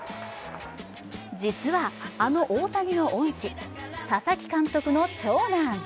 実はあの大谷の恩師・佐々木監督の長男。